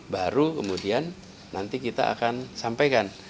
baru kemudian nanti kita akan sampaikan